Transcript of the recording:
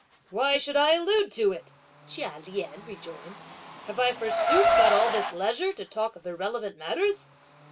"Why should I allude to it?" Chia Lien rejoined. "Have I forsooth got all this leisure to talk of irrelevant matters!